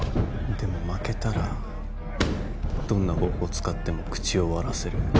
でも負けたらどんな方法使っても口を割らせる。